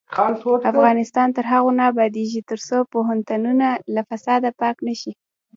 افغانستان تر هغو نه ابادیږي، ترڅو پوهنتونونه له فساده پاک نشي.